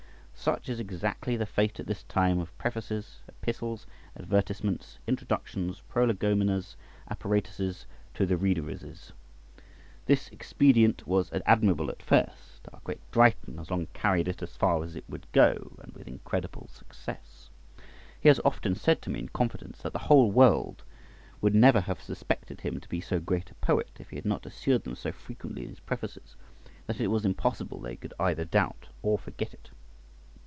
Such is exactly the fate at this time of Prefaces, Epistles, Advertisements, Introductions, Prolegomenas, Apparatuses, To the Readers's. This expedient was admirable at first; our great Dryden has long carried it as far as it would go, and with incredible success. He has often said to me in confidence that the world would never have suspected him to be so great a poet if he had not assured them so frequently in his prefaces, that it was impossible they could either doubt or forget it.